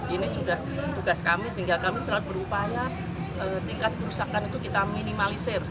ini sudah tugas kami sehingga kami selalu berupaya tingkat kerusakan itu kita minimalisir